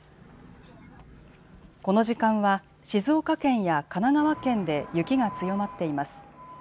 この時間は静岡県や神奈川県で雪が強まっています。